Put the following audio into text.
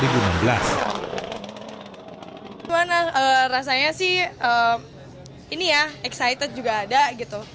gimana rasanya sih ini ya excited juga ada gitu